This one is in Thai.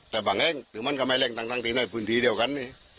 แต่บางแห้งถึงมันก็แม่แรงต่างตีด้วยพื้นที่เดียวกัน